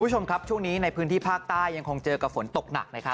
คุณผู้ชมครับช่วงนี้ในพื้นที่ภาคใต้ยังคงเจอกับฝนตกหนักนะครับ